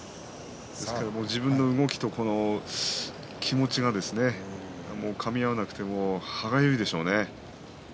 自分の動きと気持ちがかみ合わなくて歯がゆいでしょうね。